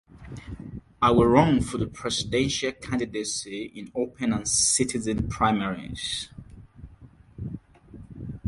I will run for the presidential candidacy in open and citizen primaries.